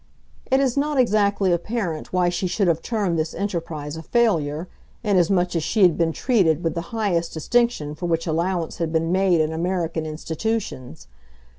It is not exactly apparent why she should have termed this enterprise a failure, inasmuch as she had been treated with the highest distinction for which allowance had been made in American institutions.